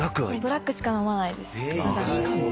ブラックしか飲まないです。